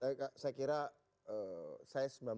silakan silakan mas budiman